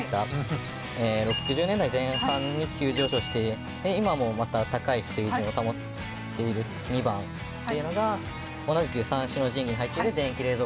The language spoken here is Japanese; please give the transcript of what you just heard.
６０年代前半に急上昇して今もまた高い水準を保っている②番っていうのが同じく三種の神器に入ってる電気冷蔵庫だろうと。